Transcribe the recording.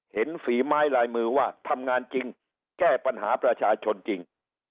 ฝีไม้ลายมือว่าทำงานจริงแก้ปัญหาประชาชนจริง